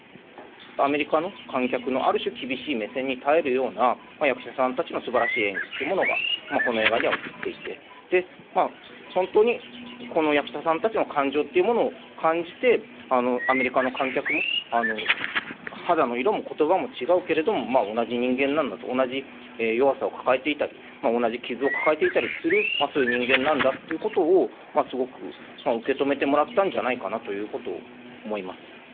アメリカの観客のある種厳しい目線に耐え得るような役者さんたちのすばらしい演技というものがこの映画には映っていて本当にこの役者さんたちの感情というものを感じてアメリカの観客も、肌の色も言葉も違うけれども、同じ人間なんだと同じ弱さを抱えていたり同じ傷を抱えていたりする、そういう人間なんだということをすごく受け止めてもらったんじゃないかなということを思います。